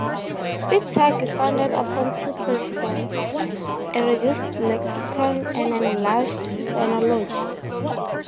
Speedtalk is founded upon two principles: a reduced lexicon, and an enlarged phonology.